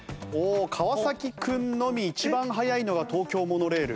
川君のみ一番速いのは東京モノレール。